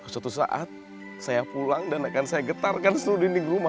suatu saat saya pulang dan akan saya getarkan seluruh dinding rumah